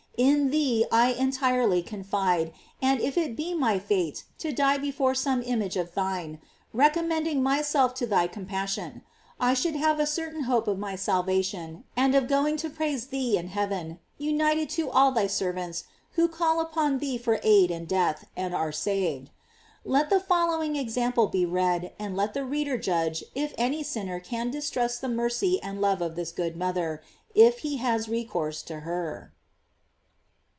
In thee I entirely confide, and if it be my fate to die before some image of thine, re commending myself to thy compassion, I should have a certain hope of my salvation, and of going to praise thee in heaven, united to all thy ser vants who called upon thee for aid in death, and are saved. Let the following example be read, and let the reader judge if any sinner can distrust the mercy and love of this good mother, if he has recourse to her.